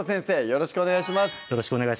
よろしくお願いします